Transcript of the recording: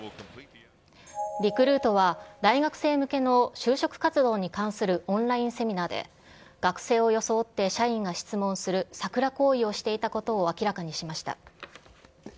リクルートは、大学生向けの就職活動に関するオンラインセミナーで、学生を装って社員が質問するサクラ行為をしていたことを明らかにしました。